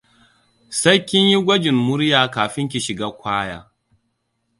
Sai kin yi gwajin murya kafin ki shiga choir.